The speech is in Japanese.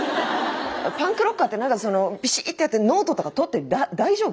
パンクロッカーってなんかそのピシッてやってノートとかとって大丈夫？